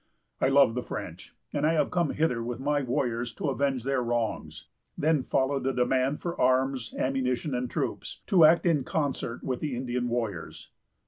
I love the French, and I have come hither with my warriors to avenge their wrongs." Then followed a demand for arms, ammunition, and troops, to act in concert with the Indian warriors.